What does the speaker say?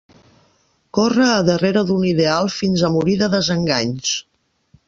Corre a darrera d'un ideal fins a morir de desenganys